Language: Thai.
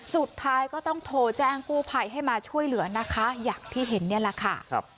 สุดท้ายก็ต้องโทรแจ้งกู้ภัยให้มาช่วยเหลือนะคะอย่างที่เห็นนี่แหละค่ะ